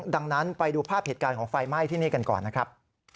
ดังนั้นไปดูภาพเหตุการณ์ของไฟไหม้ที่นี่กันก่อนนะครับ